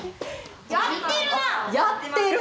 やってる？